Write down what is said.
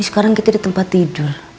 sekarang kita di tempat tidur